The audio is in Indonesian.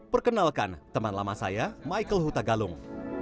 perkenalkan teman lama saya michael huta galung